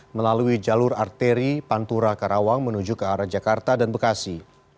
melalui jalur arteri pantura karawang menuju ke arah jakarta dan bekasi